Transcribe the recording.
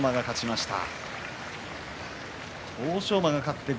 欧勝馬が勝ちました。